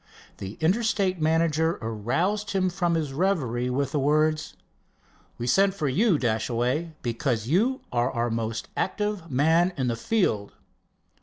The Interstate manager aroused him from his reverie with the words: "We sent for you, Dashaway, because you are our most active man in the field."